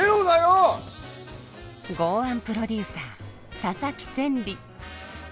豪腕プロデューサー佐々木千里。